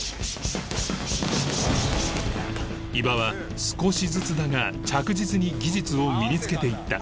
伊庭は少しずつだが着実に技術を身につけていった